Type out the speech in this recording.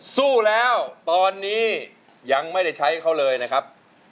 สู้แล้วตอนนี้ยังไม่ได้ใช้เขาเลยนะครับ